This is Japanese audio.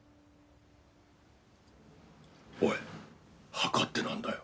おい墓ってなんだよ？